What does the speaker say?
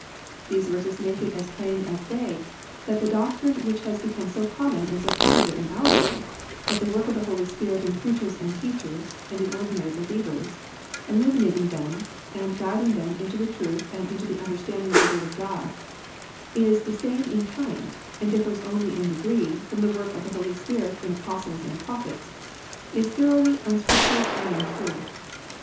These verses make it as plain as day that the doctrine which has become so common and so popular in our day, that the work of the Holy Spirit in preachers and teachers and in ordinary believers, illuminating them and guiding them into the truth and into the understanding of the Word of God, is the same in kind and differs only in degree from the work of the Holy Spirit in Apostles and Prophets is thoroughly unscriptural and untrue.